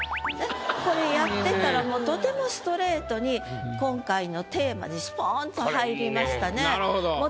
これやってたらもうとてもストレートに今回のテーマにスポンと入りましたね。